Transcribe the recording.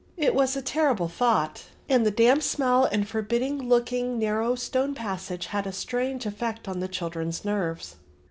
It was a terrible thought; and the damp smell and forbidding looking narrow stone passage had a strange effect on the children's nerves.